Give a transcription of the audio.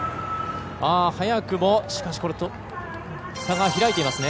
早くも差が開いていますね。